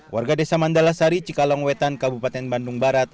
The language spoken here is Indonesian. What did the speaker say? warga desa mandala sari cikalongwetan kabupaten bandung barat